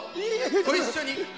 ご一緒に。